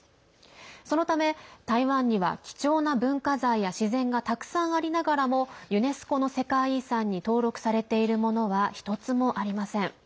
そのため台湾には貴重な文化財や自然がたくさんありながらもユネスコの世界遺産に登録されているものは１つもありません。